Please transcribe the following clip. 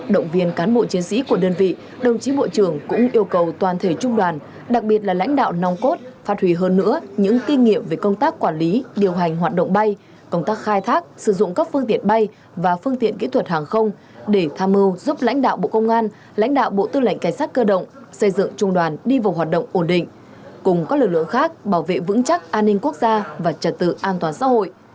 động viên cán bộ chiến sĩ của đơn vị đồng chí bộ trưởng cũng yêu cầu toàn thể trung đoàn đặc biệt là lãnh đạo nong cốt phát huy hơn nữa những kinh nghiệm về công tác quản lý điều hành hoạt động bay công tác khai thác sử dụng các phương tiện bay và phương tiện kỹ thuật hàng không để tham mưu giúp lãnh đạo bộ công an lãnh đạo bộ tư lệnh cảnh sát cơ động xây dựng trung đoàn đi vào hoạt động ổn định cùng các lực lượng khác bảo vệ vững chắc an ninh quốc gia và trật tự an toàn xã hội